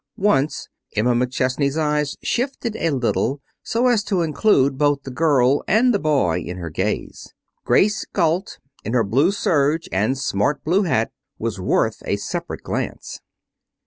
Once Emma McChesney's eyes shifted a little so as to include both the girl and the boy in her gaze. Grace Galt in her blue serge and smart blue hat was worth a separate glance.